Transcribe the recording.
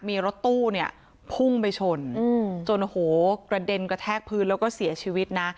มีรถตู้พุ่งไปชนจนกระเด็นกระแท้กพื้นเราก็เสียชีวิตนะ